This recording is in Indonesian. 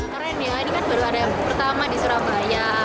keren ya ini kan baru ada yang pertama di surabaya